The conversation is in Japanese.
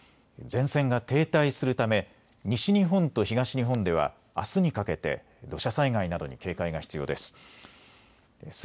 前線が停滞するため西日本と東日本では、あすにかけて土砂災害などに警戒が必要です。